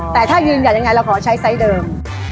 แต่ถ้ายืนอย่างเงี้ยเราขอใช้ไซส์เดิม